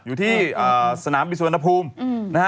อยู่ที่สนามบิศวนภูมิ